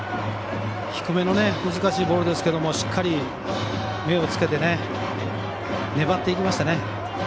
低めの難しいボールですがしっかり目をつけて粘っていきましたね。